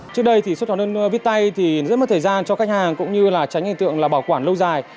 trước đây xuất hóa đơn viết tay rất mất thời gian cho khách hàng cũng như tránh hình tượng bảo quản lâu dài